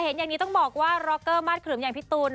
เอ่อเห็นอย่างนี้ต้องบอกว่ารอเกอร์มาดเขลืมยังพี่ตูนนะ